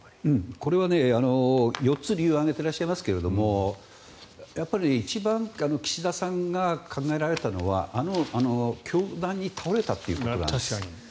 これは４つ理由を挙げていらっしゃいますけどやっぱり一番岸田さんが考えられたのはあの凶弾に倒れたということなんです。